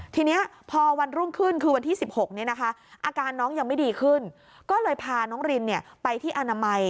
ทีนี้พอวันรุ่งขึ้นคือวันที่๑๖นี้นะคะอาการน้องยังไม่ดีขึ้นก็เลยพาน้องรินไปที่อนามัย